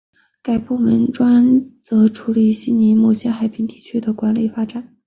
该部门专责处理悉尼某些海滨地区的管理发展。